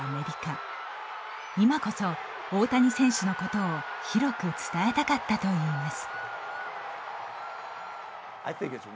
いまこそ大谷選手のことを広く伝えたかったといいます。